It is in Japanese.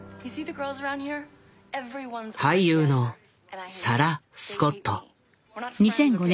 俳優のサラ・スコット。